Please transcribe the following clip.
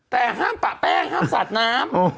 แต่ห้ามปะแป้งห้ามสาดน้ำ